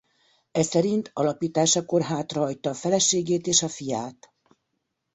E szerint alapításakor hátrahagyta a feleségét és a fiát.